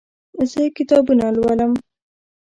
زه کتابونه لولم